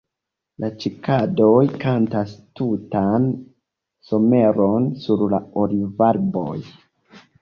La cikadoj kantas tutan someron sur la olivarboj.